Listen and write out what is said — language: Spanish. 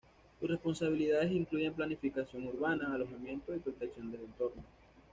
Sus responsabilidades incluyen planificación urbana, alojamiento, y protección del entorno.